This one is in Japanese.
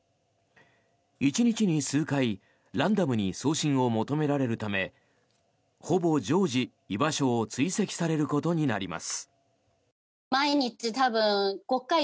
１日に数回ランダムに送信を求められるためほぼ常時、居場所を追跡されることになります。